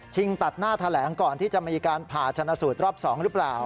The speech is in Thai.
ตัดหน้าแถลงก่อนที่จะมีการผ่าชนะสูตรรอบ๒หรือเปล่า